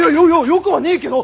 よくはねえけど！